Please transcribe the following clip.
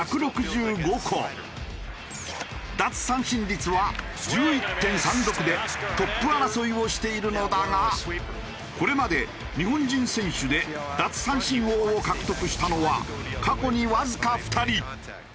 奪三振率は１１．３６でトップ争いをしているのだがこれまで日本人選手で奪三振王を獲得したのは過去にわずか２人。